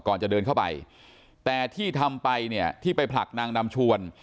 ก่อนจะเดินเข้าไปแต่ที่ทำไปเนี่ยที่ไปผลักนางนำชวน